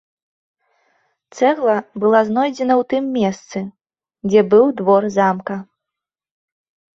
Цэгла была знойдзена ў тым месцы, дзе быў двор замка.